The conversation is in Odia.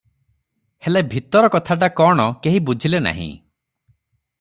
ହେଲେ ଭିତର କଥାଟା କଣ, କେହି ବୁଝିଲେ ନାହିଁ ।